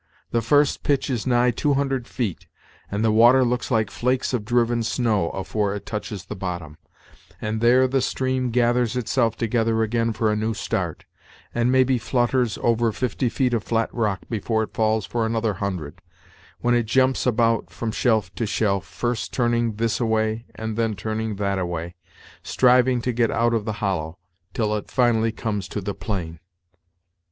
The first pitch is nigh two hundred feet, and the water looks like flakes of driven snow afore it touches the bottom; and there the stream gathers itself together again for a new start, and maybe flutters over fifty feet of flat rock before it falls for another hundred, when it jumps about from shelf to shelf, first turning this away and then turning that away, striving to get out of the hollow, till it finally comes to the plain."